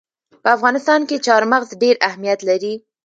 په افغانستان کې چار مغز ډېر اهمیت لري.